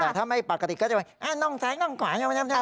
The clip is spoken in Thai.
แต่ถ้าไม่ปกติก็จะเป็นน่องซ้ายน่องขวา